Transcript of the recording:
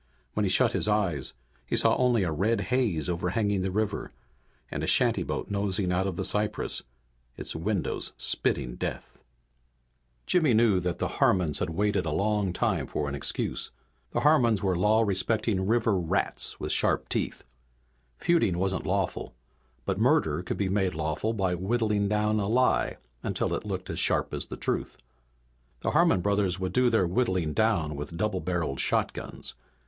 When he shut his eyes he saw only a red haze overhanging the river, and a shantyboat nosing out of the cypresses, its windows spitting death. Jimmy knew that the Harmons had waited a long time for an excuse. The Harmons were law respecting river rats with sharp teeth. Feuding wasn't lawful, but murder could be made lawful by whittling down a lie until it looked as sharp as the truth. The Harmon brothers would do their whittling down with double barreled shotguns.